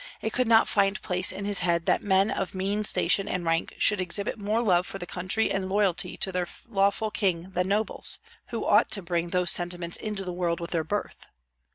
It could not find place in his head that men of mean station and rank should exhibit more love for the country and loyalty to their lawful king than nobles, who ought to bring those sentiments into the world with their birth.